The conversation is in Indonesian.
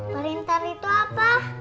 printer itu apa